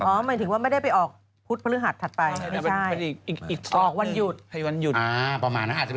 หมายถึงว่าไม่ได้ไปออกพุธพฤหัสถัดไป